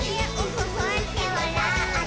ふっふってわらって」